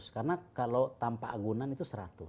karena kalau tanpa agunan itu seratus